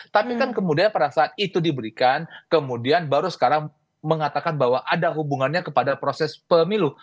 tapi kan kemudian pada saat itu diberikan kemudian baru sekarang mengatakan bahwa ada hubungannya kepada proses pemilu